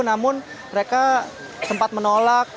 namun mereka sempat menolak